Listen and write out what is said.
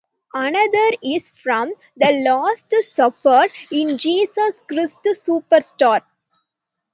Another is from "The Last Supper" in "Jesus Christ Superstar".